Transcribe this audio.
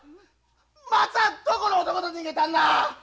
まつはどこの男と逃げたんな！